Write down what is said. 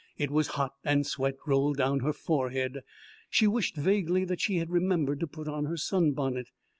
It was hot, and sweat rolled down her forehead. She wished vaguely that she had remembered to put on her sunbonnet.